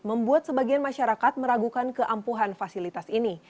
membuat sebagian masyarakat meragukan keampuhan fasilitas ini